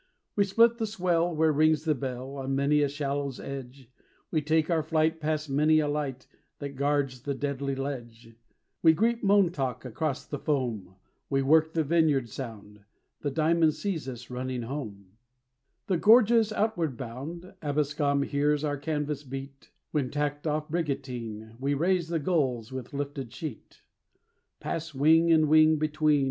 _ We split the swell where rings the bell On many a shallow's edge, We take our flight past many a light That guards the deadly ledge, We greet Montauk across the foam, We work the Vineyard Sound, The Diamond sees us running home, The Georges outward bound; Absecom hears our canvas beat When tacked off Brigantine, We raise the Gulls with lifted sheet, Pass wing and wing between.